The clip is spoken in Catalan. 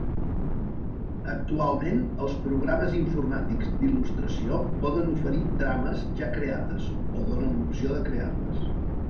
Actualment els programes informàtics d'il·lustració, poden oferir trames ja creades, o donen l'opció de crear-les.